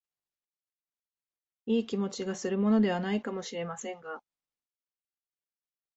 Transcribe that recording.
いい気持ちがするものでは無いかも知れませんが、